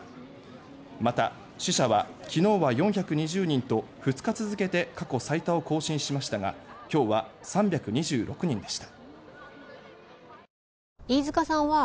また、死者は昨日は４２０人と２日続けて過去最多を更新しましたが今日は３２６人でした。